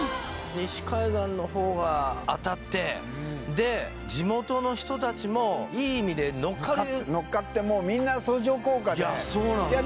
西海岸の方が当たってで地元の人たちもいい意味で乗っかる乗っかってもういやそうなんですよ